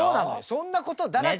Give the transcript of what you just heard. そんなことだらけです。